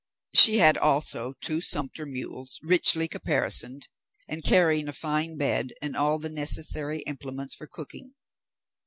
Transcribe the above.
She had also two sumpter mules richly caparisoned, and carrying a fine bed and all the necessary implements for cooking.